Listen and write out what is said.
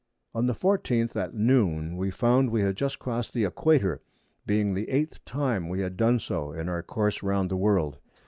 On the 14th at Noon we found we had just cross'd the Equator, being the 8th time we had done so in our Course round the World.